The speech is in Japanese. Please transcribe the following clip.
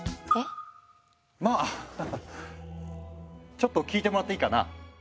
ちょっと聞いてもらっていいかな？